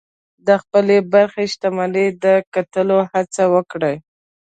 د خپلې برخې شتمني د ګټلو هڅه وکړئ.